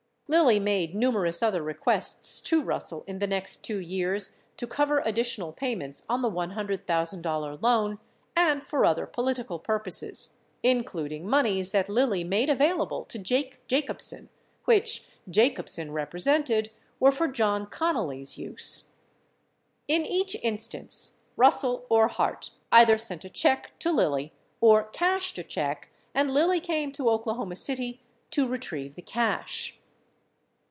Lilly made numerous other requests to Russell in the next 2 years to cover additional payments on the $100,000 loan and for other political purposes, including moneys that Lilly made available to Jake Jacobsen which Jacobsen represented were for John Connally's use. 23 In each instance, Russell or Hart either sent a check to Lilly or cashed a check and Lilly came to Oklahoma City to retrieve the cash.